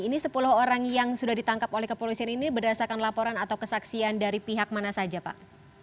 ini sepuluh orang yang sudah ditangkap oleh kepolisian ini berdasarkan laporan atau kesaksian dari pihak mana saja pak